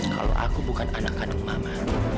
kalau aku bukan anak anak mama